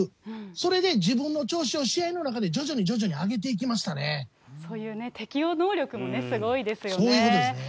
それで、自分の調子を試合の中で徐そういう適応能力もすごいでそういうことですね。